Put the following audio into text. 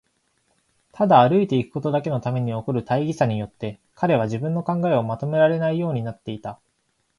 ただ歩いていくことだけのために起こる大儀さによって、彼は自分の考えをまとめられないようになっていた。